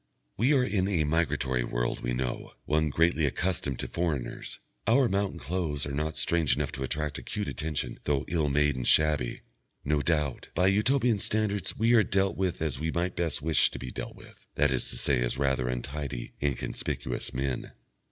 We are in a migratory world, we know, one greatly accustomed to foreigners; our mountain clothes are not strange enough to attract acute attention, though ill made and shabby, no doubt, by Utopian standards; we are dealt with as we might best wish to be dealt with, that is to say as rather untidy, inconspicuous men.